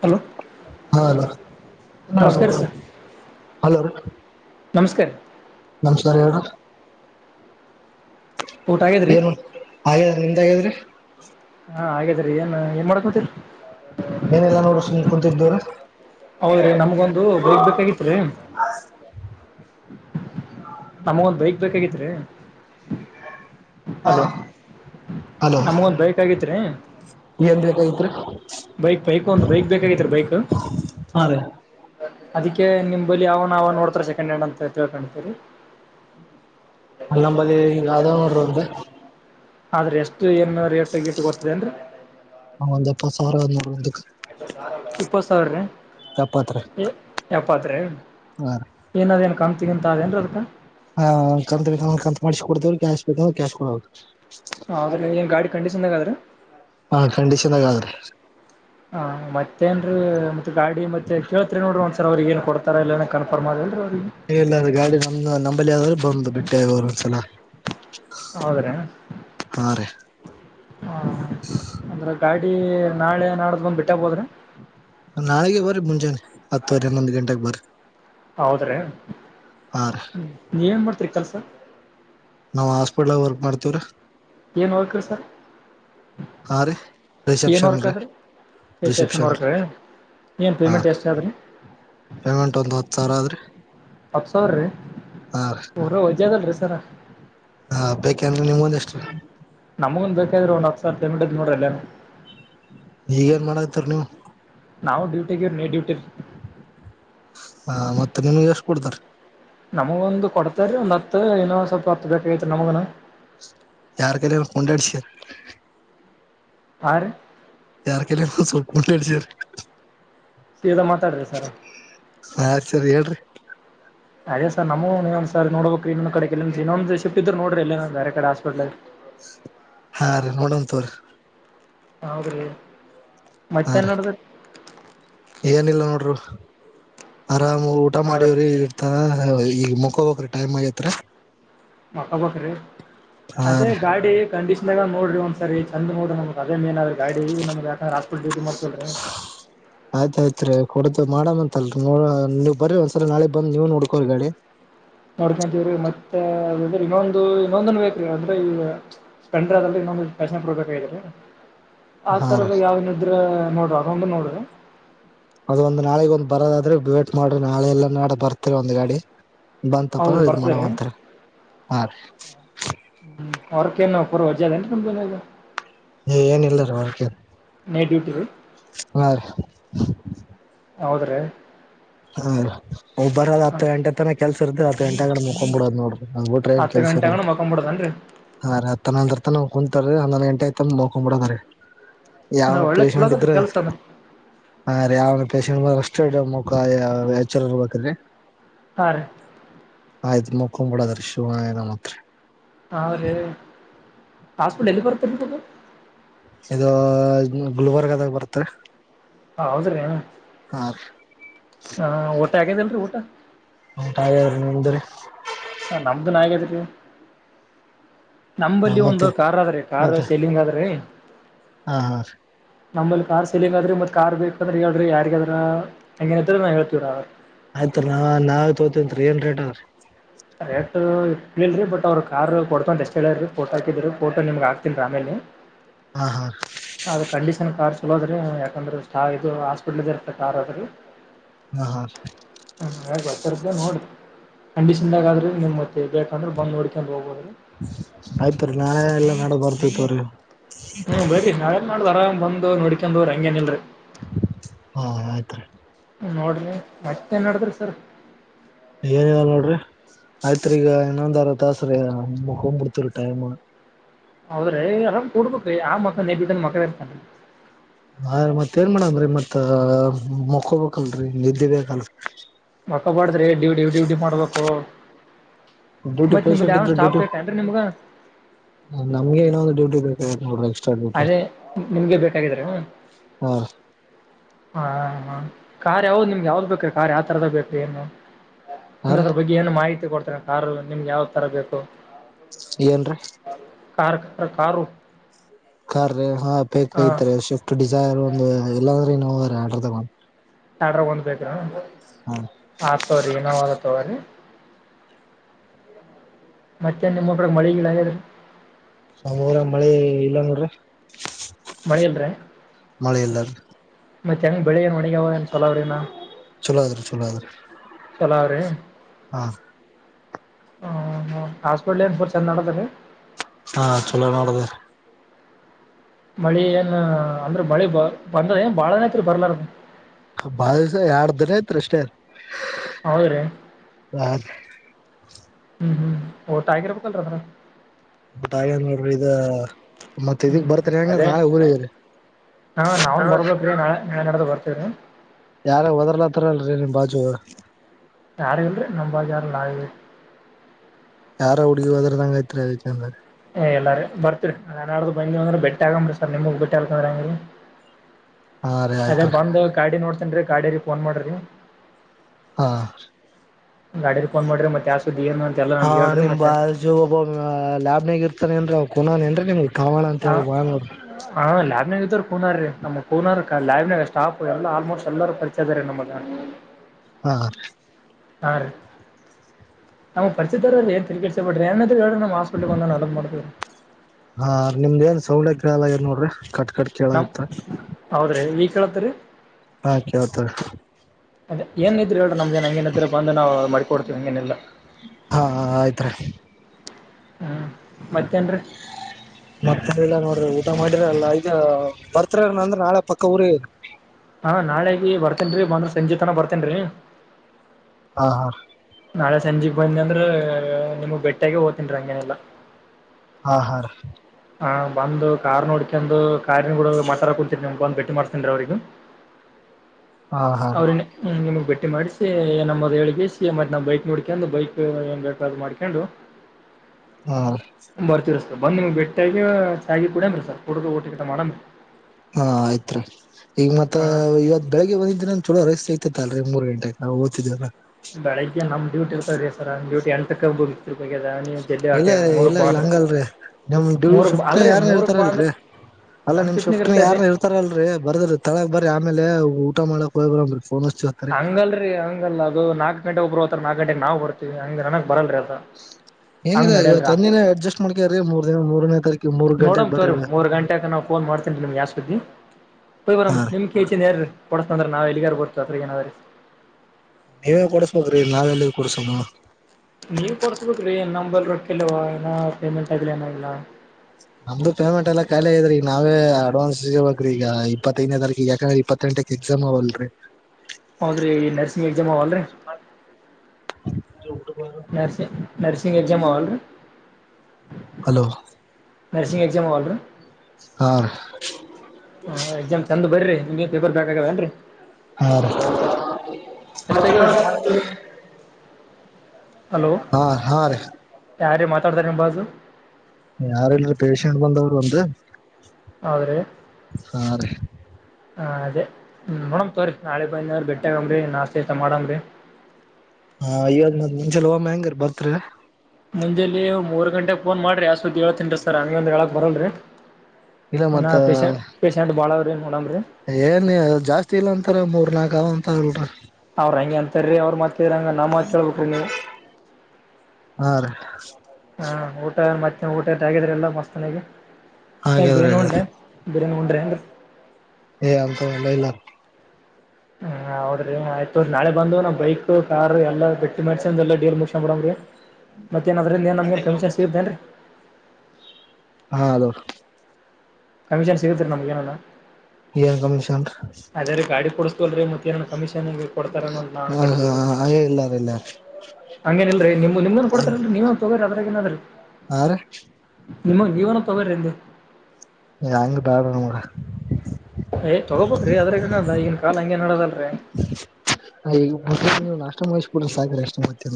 Hello ನಮಸ್ಕಾರ sir hello ನಮಸ್ಕಾರ ನಮಸ್ಕಾರ ಯಾರು ಊಟ ಆಗ್ಯದ್ರಿ ಏನು? ಆಗ್ಯದ್ ನಿಮ್ದ್ ಆಗ್ಯಾದ್ರೀ? ಹಾಂ ಆಗ್ಯಾದ್ರೀ ಏನ್ ಏನ್ ಮಾಡಾಕೋತೀರಿ? ಏನಿಲ್ಲಾ ನೋಡು ಸುಮ್ ಕುಂತಿದ್ದೋ ರೀ. ಹೌದ್ರೀ ನಮ್ಗೊಂದು ಬೈಕ್ ಬೇಕಾಗಿತ್ ರೀ. ನಮಗೊಂದ್ ಬೈಕ್ ಬೇಕಾಗಿತ್ರಿ. ಹ ಹಲೋ ಹಲೋ ನಮಗೊಂದ್ ಬೈಕ್ ಆಗಿತ್ರಿ ಏನ್ ಬೇಕಾಗಿತ್ ರೀ? ಬೈಕ್ ಬೈಕ್ ಒಂದು ಬೈಕ್ ಬೇಕಾಗಿತ್ ರೀ ಬೈಕು. ಹಾ ರೀ ಅದಿಕ್ಕೆ ನಿಮ್ ಬಲಿ ಯಾವನ ಅವ ನೋಡ್ತಾರ ಸೆಕೆಂಡ್ ಹ್ಯಾಂಡ್ ಅಂತ ತಿಳ್ಕೊಂಡಿತೆ ರೀ. ಅ ನಮ್ಮಲ್ಲಿ ಇಲ್ ಆದಾವ್ ನೋಡ್ರಿ [unintelligible] ಆದ್ರ ಎಷ್ಟು ಏನ್ ರೇಟ್ ಗೀಟು ಗೊತ್ತದೇನ್ರೀ? ಆ ಒಂದ್ ಎಪ್ಪತ್ ಸಾವ್ರ ಆದ್ ನೋಡು ಒಂದುಕ್ಕೆ. ಇಪ್ಪತ್ ಸಾವಿರ ರೀ ಎ ಎಪ್ಪತ್ ರೀ ಆ ಏನಾರ ಏನ್ ಕಂತ್ ಗಿಂತ್ ಆಗದೇನ್ರೀ ಅದುಕ ಹ ಕಂತ್ ಬೇಕಂದ್ರ ಕಂತ್ ಮಾಡಿಸ್ ಕೊಡ್ತೀವಿ ಕ್ಯಾಶ್ ಬೇಕಂದ್ರೆ ಕ್ಯಾಶ್ ಕೊಡಬೇಕ್. ಹೌದ್ ರೀ ಏನ್ ಗಾಡಿ ಕಂಡೀಷನ್ ಇದಾವ್ ರೀ? ಹಾಂ ಕಂಡೀಷನಾಗ್ ಆದ್ರೀ. ಹಾಂ ಮತ್ತೇನ್ರಿ ಮತ್ತೆ ಗಾಡಿ ಮತ್ತೆ ಕೇಳ್ತ್ರಿ ನೋಡ್ರಿ ಒಂದ್ಸರ ಅವ್ರಗ ಏನ್ ಕೊಡ್ತಾರ ಇಲ್ಲ ಕನ್ಫರ್ಮ್ ಆದ ಅಲ್ರಿ ಅವ್ರಿಗೆ. ಏ ಇಲ್ಲಾ ರೀ ಗಾಡಿ ನಮ್ದ ನಂಬಲ್ಲಿ ಯಾವ್ದಾರು ಬಂದ್ ಬಿಟ್ಟೆೋರು ಅವ್ರ್ ಒಂದ್ಸಲ. ಹೌದ್ರಾ? ಹಾಂ ರೀ. ಅಂದ್ರ ಗಾಡಿ ನಾಳೆ ನಾಡಿದ್ ಬಂದ್ ಬೇಟಿ ಆಗ್ಬೌದ್ ರೀ? ನಾಳೆಗೆ ಬರ್ರಿ ಮುಂಜಾನೆ ಹತ್ತುವರೆ ಹನ್ನೊಂದು ಗಂಟೆಗೆ ಬರ್ರಿ. ಹೌದ್ರೆ ಹಾ ರೀ ಹ್ಮ್ ನೀವ್ ಏನ್ ಮಾಡ್ತೀರೀ ಕೆಲ್ಸ? ನಾವು ಹಾಸ್ಪಿಟ್ಲಾಗ್ ವರ್ಕ್ ಮಾಡ್ತಿವ್ರೀ. ಏನ್ ವರ್ಕ್ ರೀ ಸರ್? ಹಾ ರೀ ಏನ್ ರಿಸೆಪ್ಷನ್ ವರ್ಕ್ ರೀ ಅದ್ರಿ? ಪ್ಲೇಸ್ಟೇಷನ್ ವರ್ಕ್ ರೀ. ಏನ್ ಹಾ ಪೇಮೆಂಟ್ ರೀ ಎಷ್ಟ್ ಆದ್ರಿ? ಪೇಮೆಂಟ್ ಒಂದ್ ಹತ್ ಸಾವಿರ ಅದ್ರಿ. ಹತ್ ಸಾವರ್ ರೀ ರೀ ಊರ ವಜ್ಯದಲ್ ರೀ ಸರ. ಹಾಂ ಬೇಕೆಂದ್ರೆ ನಿಮ್ ಗೊಂದ್ ಅಷ್ಟು ನಮಗೊಂದ್ ಬೇಕಾಗಿರ ಒಂದ್ ಹತ್ ಸಾವ್ರದ್ ಪೇಮೆಂಟ್ ಐತ್ ನೋಡ್ರಿ ಎಲ್ಲಾರು ಈಗ ಏನ್ ಮಾಡತರ್ ನೀವು? ನಾವು ಡ್ಯೂಟಿಗೆ ನೈಟ್ ಡ್ಯೂಟಿರ್ ಹಾ ಮತ್ತೆ ನೀಮಗ್ ಎಷ್ಟು ಕೊಡ್ತಾರ್? - ನಮಗೊಂದು ಕೊಡ್ತರಿ ಒಂದ ಹತ್ತು ಇನ್ನೂ ಒಂದ್ ಸ್ವಲ್ಪ ಹತ್ ಬೇಕಾಗೈತ್ ರಿ ನಮಗೂನು. ಯಾರ್ ಕೈಲಿ ಇವತ್ ಉಂಡಾಡ್ಸ್ಯ? ಹಾಂ ರೀ ಯಾರ್ ಕೈಲಿದ್ ಸ್ವಲ್ಪ್ ಮೊಟ್ಟೆ ಅಡ್ಸ್ ಯಾರ್ ರೀ. ಸೀದ ಮಾತಾಡ್ರಿ ಸರ. ಹಾಂ ಸರಿ ಹೇಳ್ರಿ. ಅದೇ ಸರ್ ನಮ್ಗೂನು ನೀವ್ ಸರಿ ನೋಡ್ಬೇಕ್ರೀ ಇನ್ನೊಂದ್ ಕಡಿಕೆ ಇನ್ನೊಂದು ಶಿಫ್ಟ್ ಇದ್ರೆ ನೋಡ್ರಿ ಅಲ್ಲೇನೋ ಬೇರೆ ಕಡೆ ಹಾಸ್ಪಿಟ್ಲಲ್ಲಿ. ಹಾ ರೀ ನೋಡಣ್ ತಗೋರಿ. ಹೌದ ರೀ ಹ ರ ಏನಿಲ್ಲ ನೋಡರು ಆರಾಮ ಊ ಊಟ ಹೌದ್ರಿ ಮಾಡವ್ರಿ ಇರ್ತ ಈಗ ಮುಕ ಬಕ್ ರೀ ಟೈಮ್ ಆತ್ರಿ. ಮಲ್ಕೋಬೇಕು ರೀ ಹಾ ಅದೇ ರೀ ಗಾಡಿ ಕಂಡಿಷನ್, ನೋಡ್ರಿ ಒಂದ ಸರಿ ಚಂದ ನೋ ನಮ ಅದೇ ಮೇನ್ ಆದ್ರ ಗಾಡಿ ನಮಗ ಹಸ್ಪಟ ಡ್ಯಟಿ ಮಾಡ [unintelligible] ಆಯ್ತ್ಯಯ್ತ್ ರೀ ಕೊಡು ಮಾಡ ಅಂತಲ್ರಿ ನೋ ನೀವು ಬ್ರಿ ಒಂದ್ಸಲ ನಾಳೆ ಬಂದ ನೀವ್ ನೋಡ್ಕೋರಿ ಗಾಡಿ. ನೋಡ್ಕೊಂತೀವ್ರೀ ಮತ್ತೆ ಅದಾದ್ರೆ ಇನ್ನೊಂದು ಇನ್ನೊಂದನ್ ಬೇಕ್ರಿ ಅದ್ರೆ ಈಗ. ಸ್ಪ್ಲೆಂಡರ್ ಅಲ್ಲಿ ಇನ್ನೊಂದು ಫ್ಯಾಷನ್ ಪ್ರೂ ಬೇಕಾಗೈತ್ರಿ. ಆ ಹಾ ರೀ ತರದ ಯಾವನದ್ರ ನೋಡ್ರೊಂದು ನೋಡ್ರಿ ಅದೊಂದ್ ನಾಳಗ್ ಒಂದ ಬರೋದಾದ್ರೆ ವೇಟ್ ಮಾಡಿ ನಾಳೆ ಎಲ್ಲ ನಾಡ ಬರ್ತರಿ ಒಂದ್ ಗಾಡಿ ಬಂತಪ್ಪ ಹೌದ್ರಿ ಇದು ಮಾಡವ ಬರ್ತದ್ರಿ ಅಂತಾರೆ ಹಾ ರೀ ಹ್ಮ ಅವ್ರಕೇನ ಪೂರ್ಜ ಅೇರಿ ನಮಗ ಏನಿಲ್ಲಾರ ಹೊರ್ಕ ನೈಟ್ ಡ್ಯೂಟಿ ರೀ ಹ ರ ಹೌದ್ರೆ ಹ ಒ ಬರದ ಹತ್ತು ಗಂಟೆ ತನಕ ಕೆಲ್ಸ ಇರ್್ರೆ ಹತ್ತು ಗಂೆಡೆ ಮುಕೊಂಡ್ ಬಿಡೋ್ ನೋಡು ಹಬಿಟ್ರೆ ಏನ್ ಹತ್ತು ಕೆಲ್ಸಾರಲ್ಲ ಗಂಟೆಗನ ಮಕೊಂಬಿಡದನ್ರಿ ಹ ಹನಂದರ್ತನ ಕುಂತಾರೆ ಹತ್ತನೊಂದು ಗಂಟೆ ಆಯ್ತ ಮಕ್ಕ ಬಿಡಾದ್ರಿ ಯಾವ ಅಂದ್ರ ಒಳ್ಳೆ ಚಲೋ ಪೇಶಂಟ್ ಅದಲ್ರಿ ಇದ್ರೆ ಕೆಲ್ಸ ಅದ ಹ್ರೀ ಯಾವ ಪೇಶೆಂಟ್ ಅಷ್ಟ ಮುಖ ಎಚ್ಚರ ಇರ್ಬೇಕ್ರೀ ಹಾ ರ ಆಯ್ ಮುಕು್ ಬಿಡ ಅದ್ರ ಶಿವನತ್ರರಿ ಹ್ರೀ ಹಾಸ್ಪಿಟ್ಲ್ ಎಲ್ಲಿ ಬರ್ತರಿ ತಗ ಇದು ಗುಲ್ಬರ್ಗದಾಗ ಬರ್ತರಿ ಹೌದ್ರಿಏ ರೀ ಹ ಊಟ ಹಾಗಿದ್ದಲ್ರಿ ಊಟ ಊಟ ಆಗೈತ್ರಿ ನಿಮ್ಮದ್ರಿ ಹ ನಮ್ದುನ್ಗಾದೀ ಹಾ ನಂಬಲ್ಲಿ ಒಂದು ಮತ್ತೆ ಕಾರ್ ಆದ್ರಿ ಕಾರ್ ಮತ್ತೆ ಸೇಲಿಂಗ್ ಆದ್ರಿ ಹಾ ಹ ರ ನಮ್ಮಲ್ಲಿ ಕಾರ್ ಸೇಲಿಂಗ್ ಆದ್ರಿ ಮತ್ ಕಾರ್ ಬೇಕ ಅಂದ್ರೆ ಹೇಳ್ರಿ ಯಾರ್ಗದ್ರ ಹೆಂಗನ ನಾ ಹೇತತಿವ ಆಯ್ತ್ು ನಾ ನಾವ್ ತೋತನ್ ರೀ ಏನ್ ರೇಟ್ ಅವ್ರೀ ಸಟ್ ಇ ಇಲ್ರಿ ಬಟ್ ಅವ್ರು ಕಾರ್ ಕೊಡ್ತಂತ ಎಷ್ಟ ಹೇಳ ಫೋಟೋ ಹಾಕಿದ್ ೋ ನಿಮ್ಗೆ ಹಾಕ್ತನಿ ರ ಆಮೇಲಿ [unintelligible] ಹಾ ಹಾ ಅದ ಕಂಡೀಷನ್ ಕಾರ್ ಚಲೋದ್ರಿ ಯಾಕಂದ್ರೆ ಇದು ಹಾಸ್ಪಿಟ್ಲ್ದ ಇರತ್ತೆ ಕಾರ್ ಅದ್ರೀ ಹ ಹ ಹ ಹ ಗೊತ್ತಿರುತ್ತೆ ನೋಡ್ರಿ ಕಂಡೀಶನ್ ಚಿಂದಾಗಾದ್ರೆ ನಿಮ್ಮ ಮತ್ತೆ ಬೇಕಂದ್ರೆ ಬಂದು ನಡ್ಕೊಂಡು ಹೋಗಬೋ್ರ ಆಯ್ತ ರೀ ನಾಳೆ ಇಲ್ಲ ನಾಡ್ ಬರ್ತಿತ್ವ್ರೀ ಬರ್ರಿ ನಾಳೆನ್ ಮಾಡ್ ಆರಾಮ್ ಬಂದ್ ನೋಡಕೊಂಡವ್ರ ಹಂಗೇನ ಇಲ್ರರಿ ಹಾ ಆಯ್ತ್ರಿ ನೋಡ್ರಿ ಮತ್ತೇಏನ್ ಮಾಡಡತ್ರಿ ಸರ್ ಏನಿವ ನೋಡ್ರಿ ಆಯ್ತ್ರಿ ಈಗ ಇನ್ನೊಂದರ ತಾಸ್ರಿ ಹೋಗ್ ಮಕ್ಕೋ ಬಿಡ್ತರಿ ಟೈಮ್ ಹೌದ್ರೆ ಅರಾಮ್ ಕೊಡ್ಬೇಕ್ರಿ ಆ ಮಕ್ಕಳ [unintelligible] ಇರ್ತಾನ. ಹಾ ಮತ್ತ್ ಏನ್ ಮಾಡಾನ್ ರಿ ಮತ್ ಮಕ್ಕೋಬೇಕಲ್ರಿ ನಿದ್ದೆ ಬೇಕಲ. ಮಕ್ಕಬಡ್ರಿ ಡ್ಯೂಡಿ ಡ್ಯೂಡಿ ಮಾಡ್ಬೇಕು. ಡ್ಯೂಟಿ ಮತ್ತ್ ನಿಮ್ಲ್ ಪೇಶಷೆಂಟ್ ಯಾವ ಇದ್ರೆ ಸ್ಟಾಪ್ ಡ್ಯೂಟಿ ಬೇಕೆನ್ರಿ ನಿಮ್ಗ. ನಮ್ಗೆ ಏನ ಒಂದು ಡ್ಯೂಟಿ ಬೇಕ [unintelligible] ಅದೇ ನಿಮ್ಗೆ ಬೇಕಾಗಿದ್ರ ಏನು. ಹಾ ಹಾ ಕಾರ್ ಯಾವ್ದು ನಿಮ್ದಗೆ ಯಾವ್ದು ಬೇಕ್ರೀ ಕಾರ್ ಯಾವ ತರದ ಬೇಕ್ರಿ ಹಾ ಏನುಂದ ರೀ ಬಗ್ಗೆ. ಏನು ಮಾಹಿತಿ ಕೊಡ್ತೇನೆ ಕಾರು ನಿಮ್ಗೆ ಯಾವ ತರ ಬೇಕು. ಏನ್ರೀ ಕಾರ ಕಾರ ಕಾರು. ಕಾರ್ ರಿ ಹಾ ಹಾ ಬೇಕೈತ್ ರ ಸ್ವಿಫ್ಟ್ ಡಿಸೈರ್ ಒಂದು ಎಲ್ಲಾಂದ್ರೆೋರ [unintelligible] ಎರಡ್ರಗೊಂದು. ಎಲ್ಡ್ರಗ್ ಒಂದ್ ಬೇಕಾ. ಹಾ ಆ ತಗ್ರರಿ ಇನೋವಾದ ತಗೋರಿ. [inaudible] ಮತ್ತೆ ನಿಮ್ಮೊಕ್ಕಳ ಮಳೆ ಗಿಳೇ [unintelligible] ನಮ್ ಊರಗೆ ಮಳೆ ಇಲ್ಲ ನೋಡ್ರಿ. ಮಳೆ ಇಲ್ಲ ರಾ. ಮಳೆೆಯಲ್ಲಾರೀ. ಮತ್ ಹೆಂಗ ಬೆಳಿ ಎನ್ ಒಣಗಾವ ಏನ್ ಚಲೋ ಅವ್ರಾ. ಚಲೋ ಆದ್ರೆ ಚಲೋ ಆದ್ರೆ ಅವ್ರಿ ಹಾ. ಹ್ಮ್ ಹಾಸ್ಪಟ್ಲಿ [unintelligible] [unintelligible] [unintelligible] ಹಾ ಚಲೋ ನೋಡ್ದೆ. ಮಳೆ ಏನ್ ಅಂದ್ರೆ ಮಳೆ ಬಂದ್ ಬಂದದ ಏನ್ ಬಾಳನತ್ರಿ ಬರ್ಲಾರ್ ಬಹಳ ದಿವಸ್ ಎರಡ್ ಆಯ್ತು ರಿ ಅಷ್ಟೇ. ಹೌದ್ರೀ ಹ್ಮ್ ಹ್ಮ್ ಊಟ ಆಗಿರ್ಬೇಕಲ್ರ ಅದ್ರ. ಬಟ್ ಹಾಗ ಏನ್ ನೋಡ್ರಿ ಇದ ಮತ್ ಹ್ಮ್ ಇದಕ್ ಬರ್ತರಿ [unintelligible] ಅದೇ ನಾಳೆ ಊರಿ ಗೆ. ಹಾ ನಾವು ಬರಬೇಕು. [unintelligible] ಬರ್ತಿವ್ ರಿ. ಯಾರ ವಾದರ್ಲಾತ್ತಾರಲ್ರರಿ ನಿಮ್ಮ ಬಾಜು. ಯಾರ ಇಲ್ರಿ ನಮ್ಮ ಬಾಜು ಯಾರ ಹುಡುಗಿ ವಾದ್ರೂದ್ದಂಗ ಐತ್ರಿ ಅದಿಕ್ಕೆ ಅಂದೆ. ಹೆ ಎಲ್ಲಾರ ಬರ್ತ್ರಿ ನನಡ್ದ ಬಂದೀವ ಅ್ರ ಬಿಟ್ಟ ಆಗಂಬ್ರಿ ಸರ್ ನಿಮಗ್ ಬಿಟ್ಟಿ ಅಲ್ಕಂದ್ರಿ ಅಂಗೀ. ಹಾ ರೀ ಅದೇ ಆಯ್ತ್ರಿ ಬಂದ್ ಗಾಡಿ ನೋಡ್ತೇನ್ರಿ ಗಾಡ ಫೋನ್ ಮಾಡ್ರಿ. ಹಾ ಗಾಡಿ ಫೋನ್ ಮಾಡ್ರರಿ ಮತ್ತೆ ಆ ಸುದ ಏನ್ ಹಾ ನಿಮ್ಮ ಬಾಜು ಒಬ್ಬಲ್ಯಾಬ್ನಾಗ ಇರ್ತಾನೇಏನ್ರ ಅವನು ಕುನಾನೇನ್ರೀ ನಿಮ್ಗೆ. ಕಾವಳ ಅಂತಾ ಹ ಹೇಳಿ ಬಾಳ [unintelligible] ಹಾ ಲ್ಯಾಬ್ನಾಗ ಇದ್ ಕೂನ ರೀ ನಮ್ಎ ಕೂನಾರ್ ಲ್ಯಬ್ನಾಗ ಸ್ಟಾಫ್ ಎಲ್ಲಾ ಆಲ್ಮೋಸ್ಟ್ ಎಲ್ಲರೂ ಪರಿ [unintelligible] ಹಾ ಹಾ ರೀ ನಮ್ಮ ಪರಿಚರಲ್ಲಿ ಏನ್ ತೇಲಿ ಕೆಡುಸ್ಕ ಬಿಡ್ರೀ ಏನರ ಇದ್ರೆ ಹೇಳ ನಮ್ಮ ಹಸ್ಪಟ್ಲ್ ಬಂದು [unintelligible] ಅದ ಮಾಡಿ. ಹಾ ನಿಮ್ದ್ ಏನ್ ಸೌಳ್ಳ್ಯ ಗ್ಯ ಅ ಏ ನೋಡ್ರಿ ಕಟ್ ಕಟ್ ನಮ್ ಕೆೇಳಗತ್ತ ಹೌದ್ರಿ ಈಗ ಕೇಳತ್ರಿ ಹಾ ಕೇಳ್ತದ. ಅದೇ ಏನ್ನಿದ್ರ ಹೇಳ್ರ ನಮ್ದನ್ ಹಂಗೇನ ಇದ್ರ ಬಂದು ನಾವು ಮಾಡಿ ಕೊಡ್ತೀವಿ ಹಂಗೆನಿಲ್ಲ. ಹಾ ಹಾ ಆಯ್ತ್ರಿ. ಹ್ಮ್ ಮತ್ತೇನ್ರಿ. ಮತ್ತ ಎನಿಲ್ಲಾ ನೋಡ್ರಿ ಊಟ ಮಾಡಿರಲ್ಲ ಈಗ ಬರ್ತ್ ಅಲ್ಲ ನಾಳೆ ಪಕ್ಕ ಊರಿಗಿ. ಹಾ ನಾಳೆಗಿ ಬರ್ತೇನ ರಿ ಬಂದ ಸಂಜೆತನ ಬರ್ತೇನ್ರೀ. ಹಾ ಹಾ. ನಾಳೆ ಸಂಜಿಗ್ ಬಂದನೀ ಅಂದ್ರ ನಿಮೂಗ ಬೆಟ್ಟಗ್ಗೆ ಹೋಗ್ತೀನ್ ರಿ ಹ್ಯಾಂಗೆನ್ ಇಲ್ಲ. ಹಾ ಹ ರಿ. ಹಾ ಬಂದು ಕಾರ್ ನೋಡ್ಕಂದು ಕಾರಿನ ಗೂಡನಾ ಮಾತಾಡ ಕತೀನ ನಿಮ್ ಬಂದು್ ಭೇಟಿ ಮಾಡಸತೀನಿ ಅವ್ರಗ. ಹಾ ಹಾ ರೀ ಅವರಿಗ. ಹ್ಮ ನಿಮಗ್ ಭೇಟಿ ಮಾಡಸಿ ಏನಮ್ಮದ ಏಳಗೇಸಿ ಮತ್ತ ನಾವ್ ಬೈಕ್ ನೋಡ್ಕಕೆಂದು ಬೈಕ್ ಏನ್ ರೇಟ್ ಅದ್ ಮಾಡ್ಕೊಂಡು. [inaudible] ಹಾ. ಬರ್ತೀವ ಸರ್ ಬಂದ್ ನಿಮ್ಗ ಬೆಟ್ಟಿಯಾಗಿ ಚಾಗಿಗಿವ್ ಕುಡಿಯಮ ಸರ್ ಕುಡ್ದ ಊಟ ಗೀಟ ಮಾಡಮ. ಹಾ ಆಯ್ತ್ರಿ ಈಗ ಮತ್ ಇವತ್. ಬೆಳಿಗ್ಗೆ ಹೋಗಿದಂದ್ರ ಚಲೋ ರೈಸ್ ಸಿಗತಿತ್ತ ಅಲ್ರೀ ಮೂರು ಗಂಟೆಕ ಅವಾಗ ಹೋತಿದಲ್ವ. ಬೆಳಗ್ಗೆ ನಮ್ ಡ್ಯೂಟಿ ಇರ್ತಾದ್ ರಿ ಸರ್ ಡ್ಯೂಟಿ ಎಂಟಕ್ಕ [unintelligible] ಇಲ್ಲ ಇಲ್ಲ ಇಲ್ಲ ಹಂಗಲ್ರಿ ನಿಮ್ ಮೂರಕ್ ಸುತ್ತ ಅಲ್ರಿ ಯಾರ ಮೂರಕ್ ಬಾ ಅಂದ್ರ ಇರತರಲ್ರರಿ. ಅಲ್ಲ ನಮ್ ನಿಮ್ ಶಿಫ್ಟ್ನಾಗ ಶಿಫ್ಟ್ ಯಾರ ಇರ್ತಾರ್ರಿ [unintelligible] ಇರಾತಾರಲ್ರಿ ಬರದರ ತಳಗ್ ಬರಿ ಆಮೇಲೆ ಊಟ ಮಾಡಕ್ ಹೋಗಿ ಬರಮ ಫೋನ್ ಅಚ್ಚಿ. ಹಂಗಲ್ರರಿ ಹಂಗ್ ಅಲ್ಲ ಅದು ನಾಲ್ಕ ಗಂಟೆ ಒಬ್ರು ಹೋತಾರ್ ನಾಲ್ಕ್ ಗಂಟೆಗ್ ನಾವು ಬರ್ತಿವಿ ಅಂಗ ಅನ್ನಕ ಬರಲ್ರರಿ ಅದು. ಏನಿಲ್ಲ ಇವತ್ತು ಒಂದಿನ ಅಡ್ಜಸ್ಟ್ ಮಾಡ್ಕರಿ ಮೂರ್ ದಿನ ಮೂರನೇ ತಾರಿಕ್. ನೋಡಮ್ ತೋರಿ ಮೂರ್ ಗಂಟೆಕ ನಾವು ಪೊನ್ ಮಾಡ್ತೇನರೀ ನಿಮಗೆ ಯಾವ ಸುದ್ದಿ ಹೋಗಿ ಹಾ ರೀ ಬರಾಮರಿ. ಕೈಚಲ್ಯರಿ ಕೊಡಸ್ತಾನ ಅಂದ್ರ ನಾವ ಏಲೀ ಗಾರ ಬರ್ತೀವಿ ಅದರಾಗ ಏನ ಅದ ರಿ. ನೀವೇ ಕೊಡ್ಸಬೇಕ್ರೀ ನಾವೆಲ್ಲಿ ಕೊಡ್ಸೋಮ. ನೀವು ಕೊಡಿಸಬೇಕ್ರಿ ನಂಬಲೀ ರೊಕ್ಕ ಎಲ್ಲಿ ಅವ ಇನ ಪೇಮೆಂಟ್ ಆಗಿಲ ಏನೀಲ್ಲ ನಮ್ದು ಪೇಮೆಂಟ್ ಎಲ್ಲ ಕಾಲಿ ಆಗ್ಯಾದರಿ ನಾವೇ ಅಡ್ವಾನ್ಸ್ ಸಿಗಬೇಕ್ರ ಈಗ ಇಪ್ಪತ್ತೈದನೇ ತಾರೀಕಿಗ್ಗೆ ಯಾಕಂದ್ರ ಇಪ್ಪತ್ ಎಂಟಕ. ಎಕ್ಸಮಾವಲ್ರಿ. ಹೌದ್ ರಿ ನರ್ಸಿಂಗ್ ಎಕ್ಸಾಮ್ ಅವನರಿ. ನರ್ಸಿಂಗ್ ನರ್ಸಿಂಗ್ ಎಕ್ಜಾಮ್ ಅವಲ್ರಿ. ಹಲೋ. ನರ್ಸಿಂಗ್ ಎಕ್ಸಾಮ್ ಅವಲ್ರಿ. ಹಾ. ಎಕ್ಸಾಮ್ ಚಂದ ಬರಿ ನಿಮವು ಪೇಪರ್ ಬ್ಯಾಕಗವೆನ್ರಿ. ಹಾ ರೀ ಎಷ್ಟ ಆಗ್ಯಾವ್ರಿ [inaudible] ಹಲೋ. ಹಾ ಹಾ ರೀ. ಯಾರಿ ಮಾತಾಡ್ತಾರ ನಿಮ್ ಬಾಜು. ಯಾರಿಲ್ಲಾ ಪೇಸಂಟ ಬಂದವ್ರು ಒಂದ. ಆದ್ರೆ. ರೀ ಹಾ ಅದೇ ನೋಡಮ್ ತೋರಿ ನಾಳೆ ಬಂದೇ ಅಂದ್ರ ಬೆಟ್ಟಿಗ್ಮರಿ ನಷ್ಟ ಗಿಟ ಮಾಡಮ ರೀ. ಹಾ ಇವಾಗ ಮ್ ಮುಂಜೆಲ್ ಹೋಗಂ ಹೆಂಗಾ ಬರ್ತ್ರಿ. ಮುಂಜೆಲೀ ಮೂರು ಗಂಟೆಗೆ ಫೋನ್ ಮಾಡ್ರಿ ಯಾ ಸುದ್ದಿ ಹೇಳತಿನ್ರಿ ಸರ ಆಂಗ ಅಂದ್ರ ಹೆಲಕ್ ಬರಲ್ರರಿ. ಇಲ್ಲ ಇನ ಮತ್ತ ಪೇಸೆಂಟ್ ಪೇಸೆಂಟ್ ಬಾಳ ಅವ್ರಿ ನೋಡಮರಿ. ಏನ್ ಜಾಸ್ತಿ ಇಲ್ಲಾ ಅಂತಾರ ಮೂರ್ ನಾಲ್ಕ ಅವ ಅಂತಾರ್ ಅಲ್ರೀ. ಅವ್ರ ಹಂಗೆ ಅಂತಾರೀ ಅವ್ರ ಮಾತ ಕೇಳಿರ್ ಹೆಂಗ ನಮ್ ಮಾತ್ ಕೇಳ್ಬೇಕ್ರಿ ನೀವು. ಹಾ ರೀ. ಹಾ ಊಟ ಮತ್ತೆ ಊಟ ಅಟ್ ಆಗ್ಯದ್ರೆಲ್ಲಾ ಮಸ್ತನಾಗ್ ಯಾಕ್ ಹಾಗಾದ್ರಿ ಬೇಗನ್ ಉಂಡೆ? ಹಾಗಾದ್ರಿ ಬಿರಿಯಾನಿ ಉಂಡ್ರೆನ್ರಿ. ಎ ಹಂತವೆಲ್ಲಾ ಇಲ್ಲಾ. ಹ್ಮ ಹೌದ್ರಿ ಆಯ್ತೋರಿ ನಾಳೆ ಬಂದು ನಾ ಬೈಕ್ ಕಾರು ಎಲ್ಲ ಗಟ್ಟಿ ಮಾಡ್ಸಂದ ಎಲ್ಲಾ ಡೀಲ್ ಮುಗ್ಸ್ಕಂಡ್ ಬರಮ್ರಿ. ಮತ್ತೆ ಎನ್ ಅದ್ರಲ್ ಎನ್ ನಮಗ್ ಎನ್ ಕಮಿಷನ ಸಿಗತೇನ್ರಿ. ಹಾ ಅದು. ಕಮೀಷನ್ ಸಿಗತ್ರಿ ನಮಗ್ ಎನ್ ಅರಾ?. ಎನ್ ಕಮಿಷನ್ರಿ? ಅದೇರಿ ಗಾಡಿ ಕೊಡಸ್ತೀವ್ ಅಲ್ರೀ ಮತ್ತ ಏನನ ಕಮಿಷನ್ ಕೊಡ್ತಾರ ಏನೋ ಅಂತ್ ನಾವ್ ಅಂಕಂಡಿದ್ವಿರಿ ಇಲ್ಲ ರೀ ಇಲ್ಲ ಹಂಗೇನಿಲ್ರೀ ನಿಮ ನಿಮ್ಗನ್ ಕೊಡ್ತಾರಲ್ರಿ ನೀವ ತೊಗೊರಿ ಅದ್ರಾಗ್ ಏನ್ ಅದರಿ? ಆರಿ. ನಿಮ್ಮ ನೀವುನೂ ತೊಗೊರಿ ಅಂದ್ಯಾ. ಏ ಹಂಗ್ ಬ್ಯಾಡ್ರಿ ನಮಗ್. ಏ ತಗೋಬೇಕ್ರಿ ಅದ್ರಾಗ್ ಏನ್ ಅದಾ ಈಗಿನ ಕಾಲ ಹಂಗೆ ನಡದದ ಅಲ್ರೀ. ಈಗ [unintelligible] ನಾಸ್ಟಾ ಮುಗಿಸ್ ಕೊಡ್ರಿ ಸಾಕ್ರಿ ಅಷ್ಟ.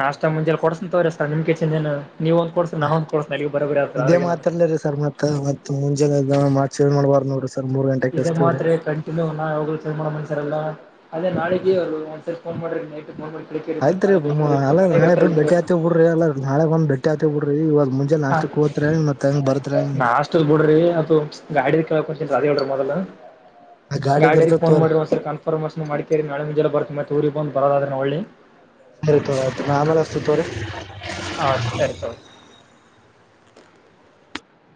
ನಾಷ್ಟ ಮುಂಜಲಿ ಕೋಡ್ಸ್ತೇನ್ ತೋಗೋರಿ ಸರ್ ನಿಮ್ ಕೇಶಿಂದ ಏನ್ ನೀವ್ ಒಂದ್ ಕೊಡ್ಸರಿ ನಾ ಒಂದ್ ಕೊಡ್ಸತೇನ ಅಲ್ಲಿಗ ಬರಾಬರಿ ಆಯ್ತುದ್ [unintelligible] ಸರ್ ಮತ್ತ ಮತ್ತ ಮುಂಜಾನೆ ಎದ್ದ ಮಾತ್ ಚೇಂಜ್ ಮಾಡಬಾರ್ದ ನೋಡ್ರಿ ಸರ್ ಮೂರ್ ಗಂಟೆ ಇದೇ ಮಾತ್ರಿ ಕ ಇದು ನಾ ಯಾವಾಗ್ಲೂ ಚೇಂಜ್ ಮಾಡೋ ಮನಶ್ಯಾರ್ ಅಲ್ಲಾ ಅದೇ ನಾಳಿಗಿ ಒಂದ್ ಸರ್ತಿ ಪೋನ್ ಮಾಡ್ರಿ ನೈಟ್ ಕೇಳ್ಕೇರಿ ಮತ್ ಆಯ್ತ್ರಿ ನಾಳೆ ಮ ಬೇಕಂದ್ರೆ ಅಲಾ ಮನೆಗೆ ನಾಳೆ ಇರ್ತಾರಲ್ಲ ಬಂದ ಬೆಟ್ಟಿ ಕೇಳಿ ಆಯ್ತೆವ್ ಬಿಡ್ರಿ ಎಲ್ಲ ನಾಳಿಗ್ ಬಂದ್ ಬೆಟ್ಟಿ ಆಯ್ತಿವಿ ಬಿಡ್ರಿ ಇವಾಗ ಮುಂಜೆ ನಾಷ್ಟಕ್ ಹೊತ್ರ್ಯಾ ಹೆಂಗ್ ಬರ್ತರ್ಯಾ ಮತ್ತೆಂಗ ಷ್ಟ ಬಿಡ್ರಿ ಅದು ಗಾಡಿದ್ ಕೆಳಕತ್ತಿನಿ ಅದು ಹೇಳ್ರಿ ಮೊದಲ್. ಗಾಡಿದ ಗಾಡ್ಯರಿಗ ಇರ್ತತ್ ಫೋನ್ ತೋರಿ ಮಾಡ್ರಿ ಒಂದ್ ಸರಿ ಕನ್ಫರ್ಮೇಶನ್ ಮಾಡಕೇರಿ ನಾಳೆ ಮುಂಜನಿ ಬರ್ತ ಮತ್ತ ಊರಿಗ ಬಂದ್ ಬರದ ಆದ್ರ ಹೋಳ್ಳಿ ಸರಿ ತೋರಿ ಆಯ್ತ್ ನಾ ಆಮೇಲ್ ಹಚ್ಚ್ತಿನಿ ತೋರಿ. ಹಾ ಸರಿ ತೋರಿ.